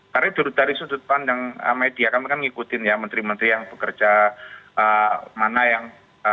karena dari sudut pandang media kami kan ngikutin ya menteri menteri yang bekerja mana yang